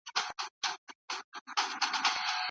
ډاکټران وایي ناروغان باید سپورت ته باور ولري.